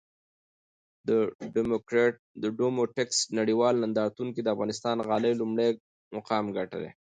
ډوموټکس نړېوال نندارتون کې د افغانستان غالۍ لومړی مقام ګټلی!